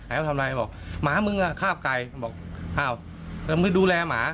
อามาทำไรบอกหมามึงอ่ะข้าบไก่บอกอ้าวแล้วมึงดูแลหมา